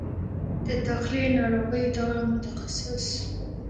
د داخله ناروغیو دغه متخصص